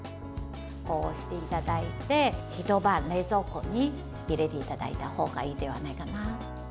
こうしていただいてひと晩、冷蔵庫に入れていただいた方がいいんではないかな。